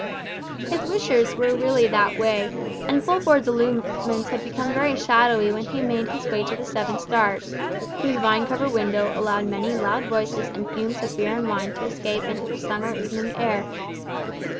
His wishes were really that way; and Fulford's allurements had become very shadowy when he made his way to the Seven Stars, whose vine covered window allowed many loud voices and fumes of beer and wine to escape into the summer evening air.